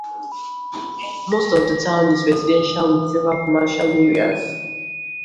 Most of the town is residential with several commercial areas.